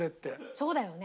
そうだよね。